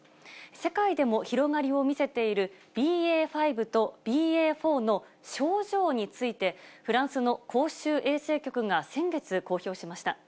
世界でも広がりを見せているＢＡ．５とＢＡ．４の症状について、フランスの公衆衛生局が先月、公表しました。